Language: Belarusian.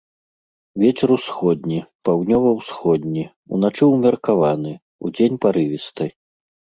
Вецер усходні, паўднёва-ўсходні, уначы ўмеркаваны, удзень парывісты.